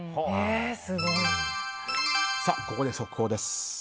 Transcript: さあ、ここで速報です。